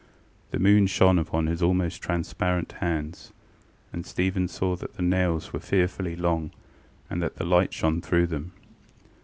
The moon shone upon his almost transparent hands, and Stephen saw that the nails were fearfully long and that the light shone through them.